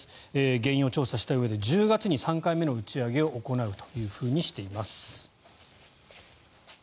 原因を調査したうえで１０月に３回目の打ち上げを行うとしています。